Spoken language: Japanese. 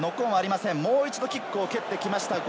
プレーをもう一度キックを蹴ってきました。